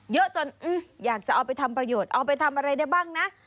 เยอะจนอยากจะเอาไปทำประโยชน์เอาไปทำอะไรได้บ้างนะ